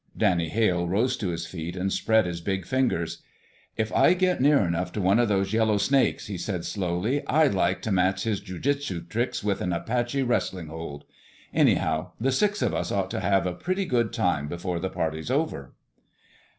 Danny Hale rose to his feet and spread his big fingers. "If I get near enough to one of those yellow snakes," he said slowly, "I'd like to match his jiu jitsu tricks with an Apache wrestling hold. Anyhow, the six of us ought to have a pretty good time before the party's over."